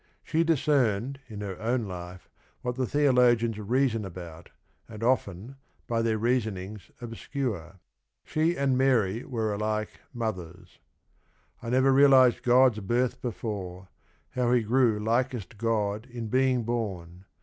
She discerned in her own life what the theologians reason about, and often, by their reasonings obscure. She and Mary were alike mothers. "I never realized God's birth before — How He grew likest God in being born.